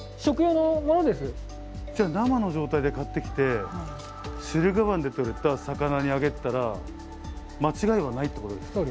じゃあ生の状態で買ってきて駿河湾で取れた魚にあげてたら間違いはないっていうことですか？